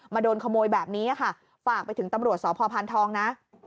โดนขโมยแบบนี้ค่ะฝากไปถึงตำรวจสพพานทองนะ